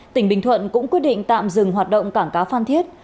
tỉnh bình thuận cũng quyết định tạm dừng hoạt động cảng cá phan thiết